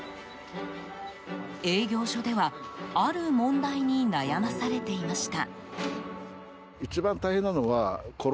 営業所ではある問題に悩まされていました。